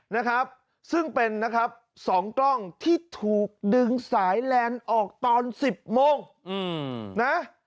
นะครับซึ่งเป็นนะครับสองกล้องที่ถูกดึงสายแลนด์ออกตอน๑๐โมงนะ